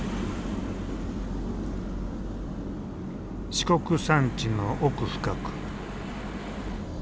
四国山地の奥深く。